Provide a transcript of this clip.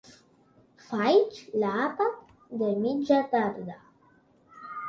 Faig l'àpat de mitja tarda.